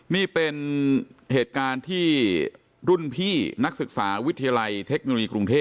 นี่เป็นเหตุการณ์ที่รุ่นพี่นักศึกษาวิทยาลัยเทคโนโลยีกรุงเทพ